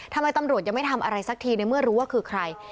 ทำไมตำรวจยังไม่ทำอะไรสักทีในเมื่อรู้ว่าคือใคร